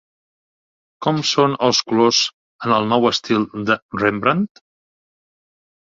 Com són els colors en el nou estil de Rembrandt?